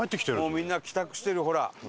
もうみんな帰宅してるほら。